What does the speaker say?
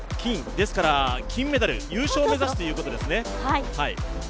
ですから金メダル、優勝を目指すということですね。